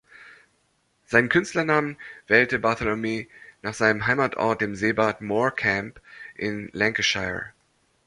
Seinen Künstlernamen wählte Bartholomew nach seinem Heimatort, dem Seebad Morecambe in Lancashire.